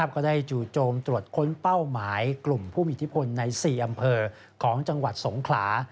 ก็ได้จู่โจมตรวจค้นเป้าหมายกลุ่มผู้มีอิทธิพลใน๔อำเภอของจังหวัดสงขลา